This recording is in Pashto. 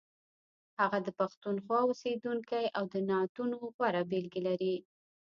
هغه د پښتونخوا اوسیدونکی او د نعتونو غوره بېلګې لري.